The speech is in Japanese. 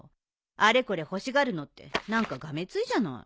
あれこれ欲しがるのって何かがめついじゃない。